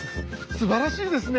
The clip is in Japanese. すばらしいですね！